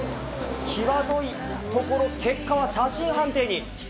きわどいところ、結果は写真判定に。